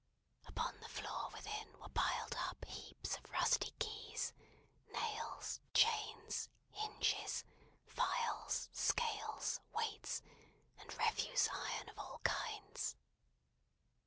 Upon the floor within, were piled up heaps of rusty keys, nails, chains, hinges, files, scales, weights, and refuse iron of all kinds.